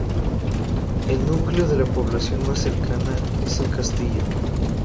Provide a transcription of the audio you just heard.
El núcleo de población más cercano es El Castillo.